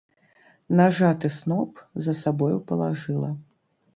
Нажаты сноп за сабою палажыла.